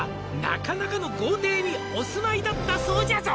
「なかなかの豪邸にお住まいだったそうじゃぞ」